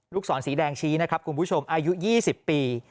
ศรสีแดงชี้นะครับคุณผู้ชมอายุ๒๐ปี